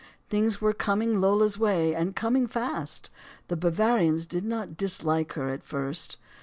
Things were coming Lola's way, and corning fast. The Bavarians did not dislike her at first.